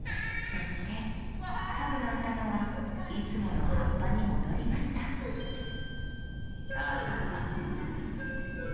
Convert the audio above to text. そしてカブのあたまはいつものはっぱにもどりましたあらあら。